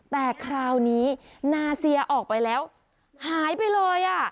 แต่คราวนี้นาเซียออกไปแล้วหายไปเลย